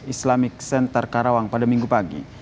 islamic center karawang pada minggu pagi